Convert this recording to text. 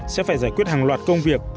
sẽ phải giải quyết hàng loạt công việc